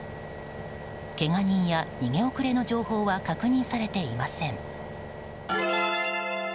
けが人や逃げ遅れの情報は確認されていません。